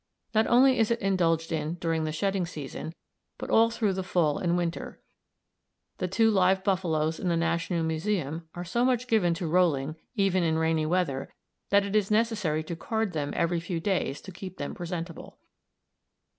Not only is it indulged in during the shedding season, but all through the fall and winter. The two live buffaloes in the National Museum are so much given to rolling, even in rainy weather, that it is necessary to card them every few days to keep them presentable.